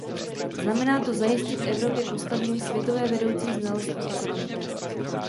Znamená to zajistit Evropě postavení světové vedoucí znalostní ekonomiky.